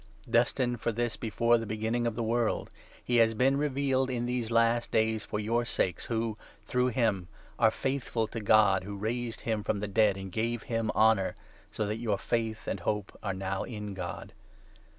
Destined for this before the beginning of the world, he has been revealed in these last days for your sakes, who, through him, are faithful to God who raised him from the dead and gave him honour, so that your faith and hope are now in God.